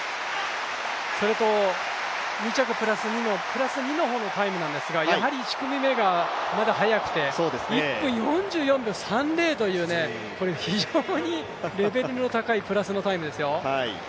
それと２着プラス２なんですがやはり１組目が速くて、１分４４秒３０という非常にレベルの高いプラスのタイムですよ。